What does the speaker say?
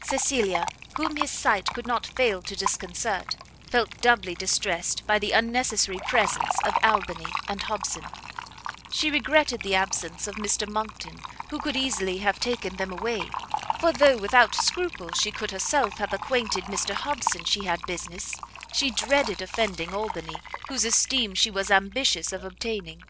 Cecilia, whom his sight could not fail to disconcert, felt doubly distressed by the unnecessary presence of Albany and Hobson; she regretted the absence of Mr Monckton, who could easily have taken them away; for though without scruple she could herself have acquainted Mr Hobson she had business, she dreaded offending Albany, whose esteem she was ambitious of obtaining.